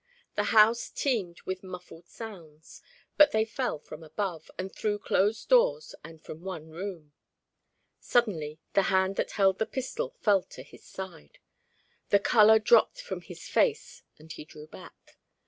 The house teemed with muffled sounds; but they fell from above, and through closed doors, and from one room. Suddenly the hand that held the pistol fell to his side. The colour dropped from his face, and he drew back.